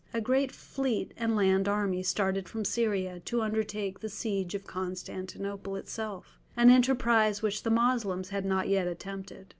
A great fleet and land army started from Syria to undertake the siege of Constantinople itself, an enterprise which the Moslems had not yet attempted.